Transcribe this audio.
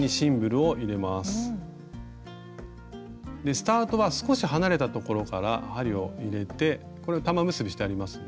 スタートは少し離れたところから針を入れてこれ玉結びしてありますね。